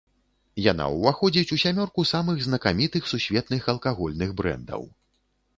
Яна ўваходзіць у сямёрку самых знакамітых сусветных алкагольных брэндаў.